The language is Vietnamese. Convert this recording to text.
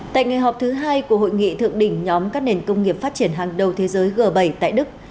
tại ngày họp thứ hai của hội nghị thượng đỉnh nhóm các nền công nghiệp phát triển hàng đầu thế giới g bảy tại đức